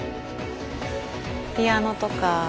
ピアノとか。